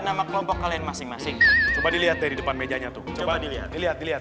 nama kelompok kalian masing masing coba dilihat dari depan mejanya tuh coba dilihat dilihat